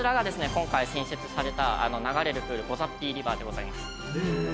今回新設された流れるプールボザッピィリバーでございます。